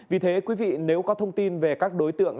vì thế quý vị nếu có thông tin về các đối tượng